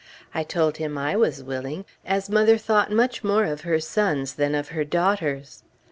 I told him I was willing, as mother thought much more of her sons than of her daughters.